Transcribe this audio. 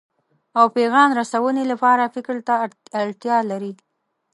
او پیغام رسونې لپاره فکر ته اړتیا لري.